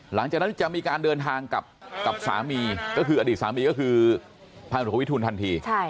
หลังจากนั้นจะมีการเดินทางกับสามีก็คืออดีตสามีก็คือพันธุวิทุนทันที